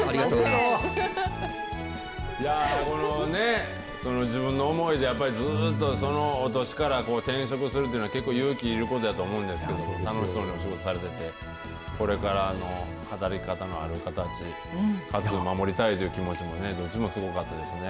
いやぁ、このね、その自分の思いで、やっぱりその年から転職するというのは、結構、勇気いることやと思うんですけど、楽しそうにお仕事されてて、これからの働き方のある形、守りたいという気持ちもね、どっちもすごかったですね。